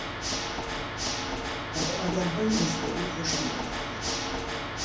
از آدمهای مثل او خوشم نمیآید.